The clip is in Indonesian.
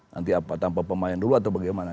nanti apa tanpa pemain dulu atau bagaimana